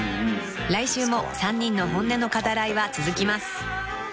［来週も３人の本音の語らいは続きます］